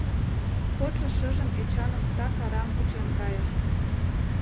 Кодшо шыжым Эчаным так арам кучен кайышт.